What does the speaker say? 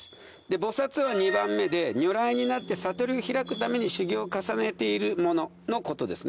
菩薩は２番目で如来になって悟りを開くために修行を重ねている者のことです。